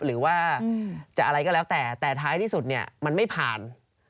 หรือว่าจะอะไรก็แล้วแต่แต่ท้ายที่สุดเนี่ยมันไม่ผ่าน